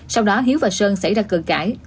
sau đó hiếu và sơn xảy ra cờ cãi